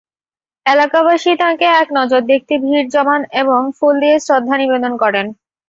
এলাকাবাসী তাঁকে একনজর দেখতে ভিড় জমান এবং ফুল দিয়ে শ্রদ্ধা নিবেদন করেন।